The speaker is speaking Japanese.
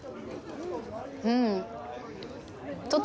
うん。